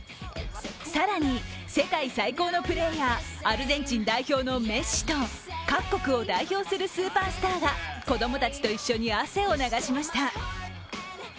更に、世界最高のプレーヤー、アルゼンチン代表のメッシと、各国を代表するスーパースターが子供たちと一緒に汗を流しました。